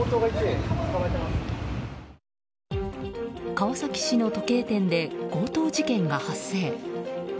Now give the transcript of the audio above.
川崎市の時計店で強盗事件が発生。